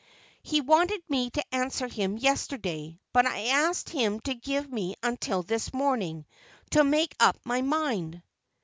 He wanted me to answer him yesterday, but I asked him to give me until this morning to make up my mind."